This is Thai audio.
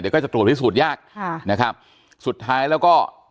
ก็จะตรวจพิสูจนยากค่ะนะครับสุดท้ายแล้วก็